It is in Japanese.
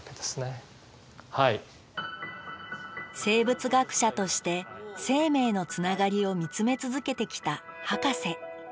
生物学者として生命のつながりを見つめ続けてきたハカセ。